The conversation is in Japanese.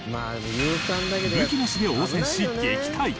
武器なしで応戦し撃退！